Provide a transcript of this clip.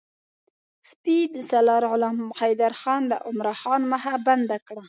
سپه سالار غلام حیدرخان د عمرا خان مخه بنده کړه.